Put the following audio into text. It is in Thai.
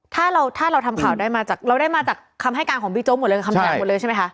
ถ้าเราทำข่าวได้มาจากเราได้มาจากคำให้การของบิ๊กโจ๊กหมดเลย